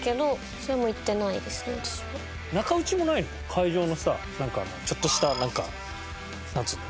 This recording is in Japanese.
会場のさなんかちょっとしたなんかなんつうの？